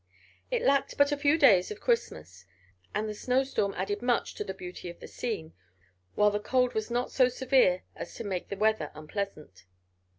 It lacked but a few days of Christmas, and the snowstorm added much to the beauty of the scene, while the cold was not so severe as to make the weather unpleasant.